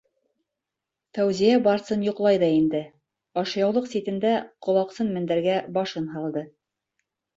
Фәүзиә-Барсын йоҡлай ҙа инде, ашъяулыҡ ситендә, ҡолаҡсын мендәргә башын һалды.